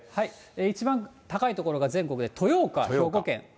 一番高い所が全国で豊岡、兵庫県。